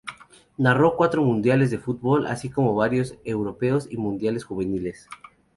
Narró cuatro mundiales de fútbol, así como varios Europeos y Mundiales juveniles.